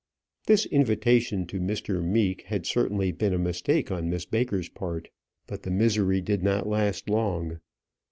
This invitation to Mr. Meek had certainly been a mistake on Miss Baker's part. But the misery did not last long.